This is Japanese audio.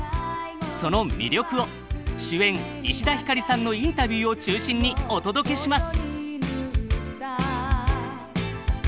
その魅力を主演石田ひかりさんのインタビューを中心にお届けします！